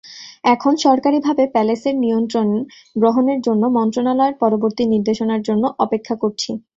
এখন সরকারিভাবে প্যালেসের নিয়ন্ত্রণ গ্রহণের জন্য মন্ত্রণালয়ের পরবর্তী নির্দেশনার জন্য অপেক্ষা করছি।